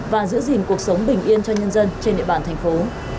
và giữ gìn cuộc sống bình yên cho nhân dân trên địa bàn thành phố